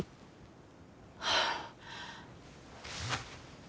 はあ。